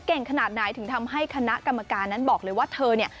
ขนาดไหนถึงทำให้คณะกรรมการนั้นบอกเลยว่าเธอเนี่ย